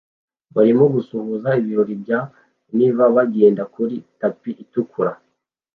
barimo gusuhuza ibiro bya Navy bagenda kuri tapi itukura